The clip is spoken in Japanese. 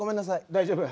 大丈夫。